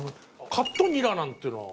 カットニラなんていうのは。